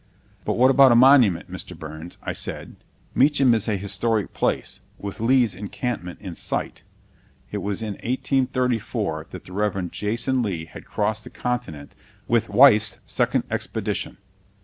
"But what about a monument, Mr. Burns?" I said. "Meacham is a historic place, with Lee's encampment in sight." (It was in 1834 that the Reverend Jason Lee had crossed the continent with Wyeth's second expedition.)